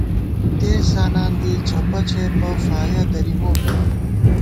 دېس زانان دی چَھپہ چھېپہ فایَہ دری مو پېنہ